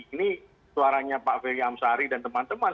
ini suaranya pak ferry amsari dan teman teman